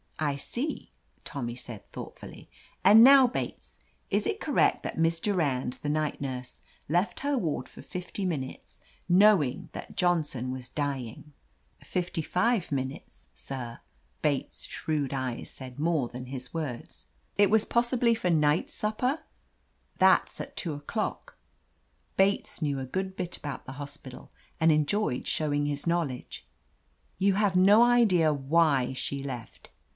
^'I see," Tommy said thoughtfully, "And 96 *at «i tc OF LETITIA CARBERRY now. Bates, is it correct that Miss Durand, the night nurse, left her ward for fifty minutes, knowing that Johnson was dying ?" "Fifty five minutes, sir." Bates' shrewd eyes said more than his words. It was, possibly, for night supper?" That's at two o'clock." Bates knew a good bit about the hospital, and enjoyed showing his knowledge. You have no idea why she left